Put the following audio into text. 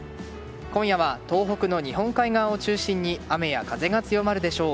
今夜は東北の日本海側を中心に雨や風が強まるでしょう。